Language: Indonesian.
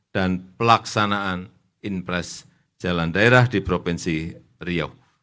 dan pelaksanaan inpres jalan daerah di provinsi riau